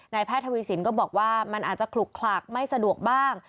แพทย์ทวีสินก็บอกว่ามันอาจจะขลุกขลักไม่สะดวกบ้าง